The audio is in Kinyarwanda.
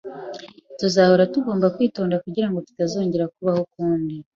Tuzahora tugomba kwitonda kugirango tutazongera kubaho ukundi.